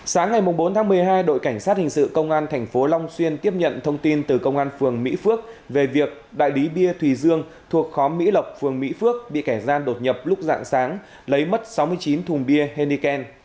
sáng ngày bốn tháng một mươi hai đội cảnh sát hình sự công an tp long xuyên tiếp nhận thông tin từ công an phường mỹ phước về việc đại lý bia thùy dương thuộc khóm mỹ lộc phường mỹ phước bị kẻ gian đột nhập lúc dạng sáng lấy mất sáu mươi chín thùng bia henneken